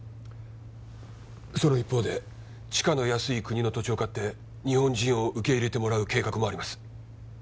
その一方で地価の安い国の土地を買って日本人を受け入れてもらう計画もあります